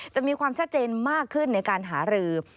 จะมีความชัดเจนมากขึ้นในการหารือ